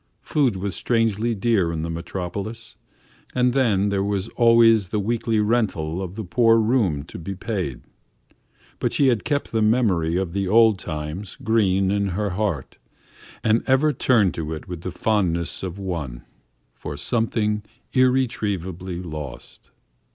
Food was strangely dear in the Metropolis, and then there was always the weekly rental of the poor room to be paid. But she had kept the memory of the old times green in her heart, and ever turned to it with the fondness of one for something irretrievably lost.